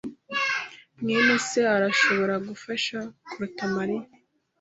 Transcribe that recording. mwene se arashobora gufasha kuruta Mariya.